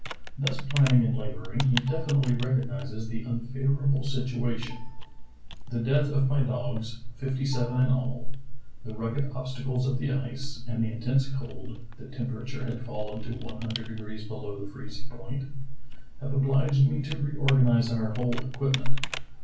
Thus planning and laboring he definitely recognizes the unfavorable situa tion. *'The death of my dogs, fifty seven in all, the rugged obstacles of the ice, and the intense cold (the temperature had fallen to one hundred degrees below the freezing point) have obliged me to reorganize our whole equipment.